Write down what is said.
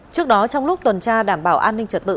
trước đó trong lúc tuần tra đảm bảo an ninh trật tự